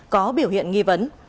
có biểu hiện nghi vấn